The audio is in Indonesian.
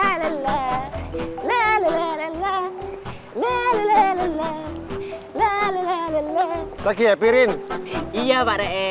hai bagi bariam iya pada